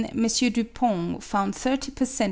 Dupont found thirty per cent.